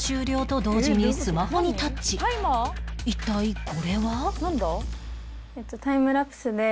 一体これは？